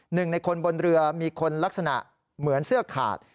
หนึ่งในคนบนเรือมีคนลักษณะเหมือนเสื้อขาด